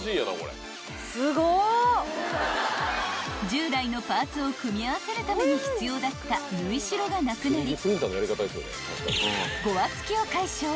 ［従来のパーツを組み合わせるために必要だった縫い代がなくなり］